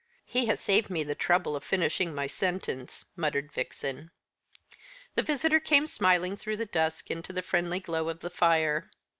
"He has saved me the trouble of finishing my sentence," muttered Vixen. The visitor came smiling though the dusk into the friendly glow of the fire.